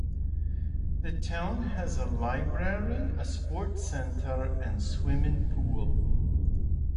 The town has a library, a sports centre and swimming pool.